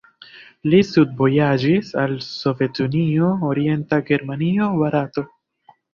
Li studvojaĝis al Sovetunio, Orienta Germanio, Barato.